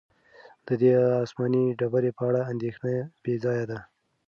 د دې آسماني ډبرې په اړه اندېښنه بې ځایه ده.